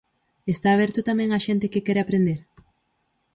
Está aberto tamén á xente que quere aprender?